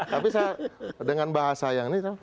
tapi saya dengan bahasa yang ini